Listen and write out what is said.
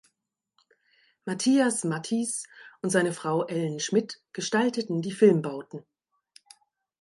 Mathias Matthies und seine Frau Ellen Schmidt gestalteten die Filmbauten.